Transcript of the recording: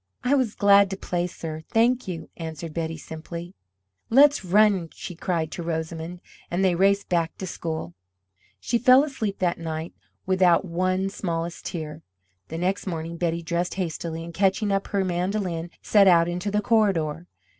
"I was glad to play, sir. Thank you!" answered Betty, simply. "Let's run!" she cried to Rosamond, and they raced back to school. She fell asleep that night without one smallest tear. The next morning Betty dressed hastily, and catching up her mandolin, set out into the corridor.